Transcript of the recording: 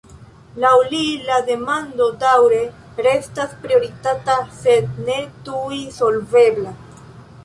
Laŭ li, la demando daŭre restas prioritata sed ne tuj solvebla.